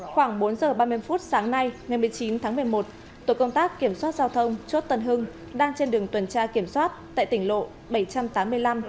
khoảng bốn giờ ba mươi phút sáng nay ngày một mươi chín tháng một mươi một tổ công tác kiểm soát giao thông chốt tân hưng đang trên đường tuần tra kiểm soát tại tỉnh lộ bảy trăm tám mươi năm